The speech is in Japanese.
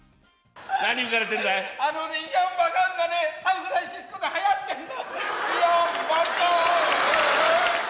あのね、いやん、ばかんが、サンフランシスコではやってんの。